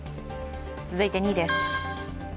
続いて２位です。